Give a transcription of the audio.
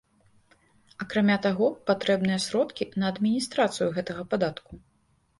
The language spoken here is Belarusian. Акрамя таго, патрэбныя сродкі на адміністрацыю гэтага падатку.